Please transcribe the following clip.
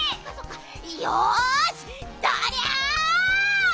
よしどりゃ！